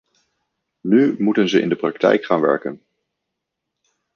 Nu moeten ze in de praktijk gaan werken.